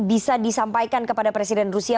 bisa disampaikan kepada presiden rusia